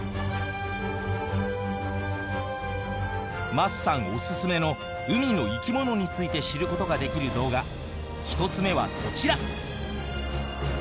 桝さんオススメの海の生き物について知ることができる動画１つ目はこちら！